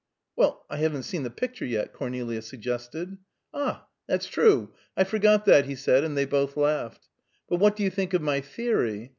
"Well, I haven't seen the picture yet," Cornelia suggested. "Ah, that's true! I forgot that," he said, and they both laughed. "But what do you think of my theory?